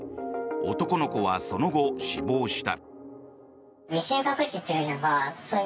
男の子はその後、死亡した。